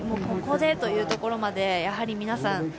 ここでというところまでやはり皆さん